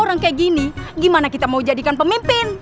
orang kayak gini gimana kita mau jadikan pemimpin